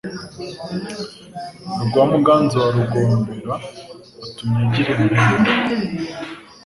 Rwa Muganza wa Rugombera Watunyagira impenda